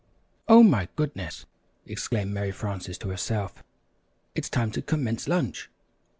"Oh, my goodness!" exclaimed Mary Frances to herself, "it's time to commence lunch.